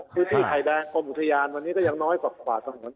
คือที่ไทยแดงโบมูทยานวันนี้ก็ยังน้อยกว่าป่าสงวน